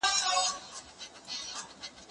زه به اوږده موده موټر کار کړی وم!.